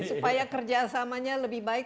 supaya kerjasamanya lebih baik